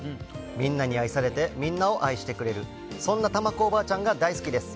みんなに愛されてみんなを愛してくれる、そんなタマ子おばあちゃんが大好きです。